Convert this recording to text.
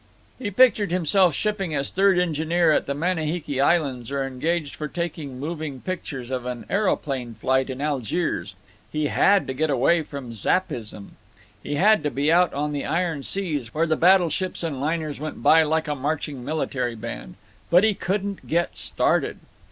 He pictured himself shipping as third engineer at the Manihiki Islands or engaged for taking moving pictures of an aeroplane flight in Algiers. He had to get away from Zappism. He had to be out on the iron seas, where the battle ships and liners went by like a marching military band. But he couldn't get started.